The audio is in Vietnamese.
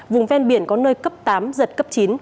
vùng ven biển có nơi cấp tám giật cấp chín